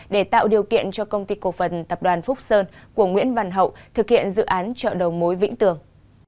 để tạo điều kiện cho công ty cổ phần tập đoàn phúc sơn của nguyễn văn hậu thực hiện dự án chợ đầu mối vĩnh tường